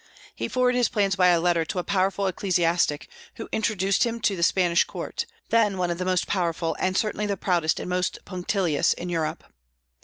He forwarded his plans by a letter to a powerful ecclesiastic, who introduced him to the Spanish Court, then one of the most powerful, and certainly the proudest and most punctilious, in Europe.